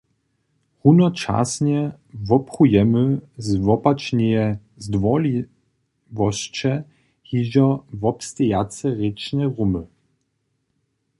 Runočasnje woprujemy z wopačneje zdwórliwosće hižo wobstejace rěčne rumy.